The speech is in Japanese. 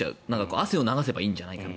汗を流せばいいんじゃないかと。